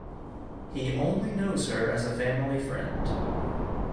He only knows her as a family friend.